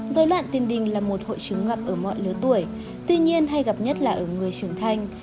dối loạn tiền đình là một hội chứng ngập ở mọi lứa tuổi tuy nhiên hay gặp nhất là ở người trưởng thành